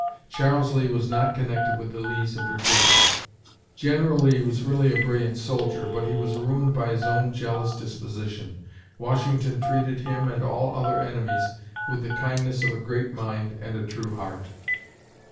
(Charles Lee was not connected with the Lees of Virginia.) General Lee was really a brilliant soldier, but he was ruined by his own jealous disposition. Washington treated him and all other enemies with the kindness of a great mind and a true heart.